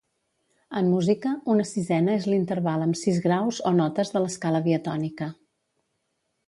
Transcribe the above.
En música, una sisena és l'interval amb sis graus o notes de l'escala diatònica.